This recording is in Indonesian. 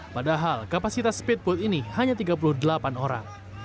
padahal kapasitas speedboat ini hanya tiga puluh delapan orang